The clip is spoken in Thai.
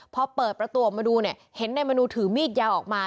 พอเปิดประตูออกมาดูเนี่ยเห็นนายมนูถือมีดยาวออกมา